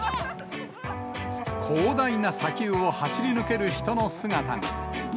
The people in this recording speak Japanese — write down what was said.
広大な砂丘を走り抜ける人の姿が。